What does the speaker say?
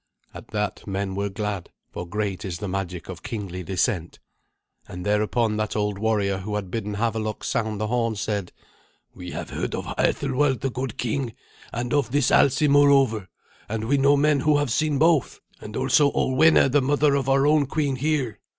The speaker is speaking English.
At that men were glad, for great is the magic of kingly descent. And thereupon that old warrior who had bidden Havelok sound the horn said, "We have heard of Ethelwald the good king, and of this Alsi moreover, and we know men who have seen both, and also Orwenna, the mother of our own queen here.